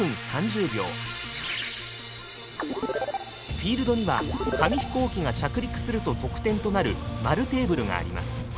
フィールドには紙飛行機が着陸すると得点となる円テーブルがあります。